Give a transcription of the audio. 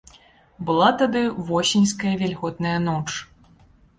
Была тады восеньская вільготная ноч.